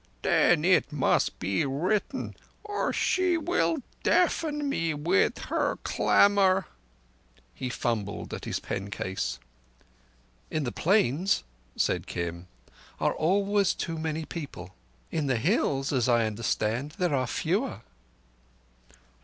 "Then it must be written, or she will deafen me with her clamour." He fumbled at his pencase. "In the Plains," said Kim, "are always too many people. In the Hills, as I understand, there are fewer."